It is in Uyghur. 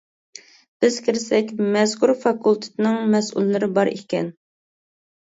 بىز كىرسەك، مەزكۇر فاكۇلتېتنىڭ مەسئۇللىرى بار ئىكەن.